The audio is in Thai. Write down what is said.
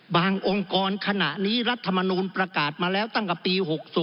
องค์กรขณะนี้รัฐมนูลประกาศมาแล้วตั้งแต่ปี๖๐